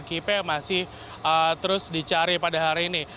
kip yang masih terus dicari pada hari ini